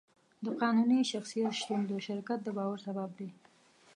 د قانوني شخصیت شتون د شرکت د باور سبب دی.